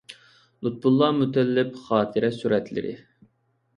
لۇتپۇللا مۇتەللىپ خاتىرە سۈرەتلىرى.